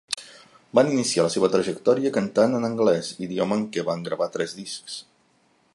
Van iniciar la seva trajectòria cantant en anglès, idioma en què van gravar tres discs.